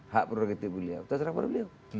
hak prerogatif beliau terserah pada beliau